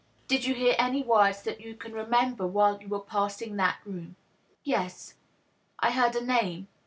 " Did you hear any words that you can remember while you were passing that room ?"" Yes ; I heard a name.